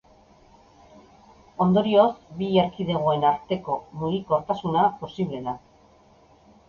Ondorioz, bi erkidegoen arteko mugikortasuna posible da.